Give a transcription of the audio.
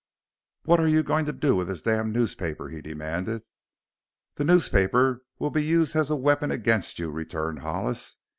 "What are you going to do with this damn newspaper?" he demanded. "The newspaper will be used as a weapon against you," returned Hollis.